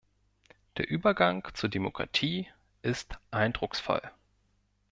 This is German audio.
Der Übergang zur Demokratie ist eindrucksvoll.